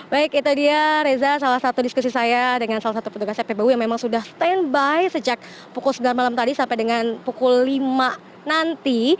baik itu dia reza salah satu diskusi saya dengan salah satu petugas cpbu yang memang sudah standby sejak pukul sembilan malam tadi sampai dengan pukul lima nanti